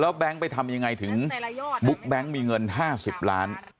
แก๊งไปทำยังไงถึงบุ๊กแบงค์มีเงิน๕๐ล้าน